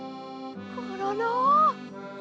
コロロ。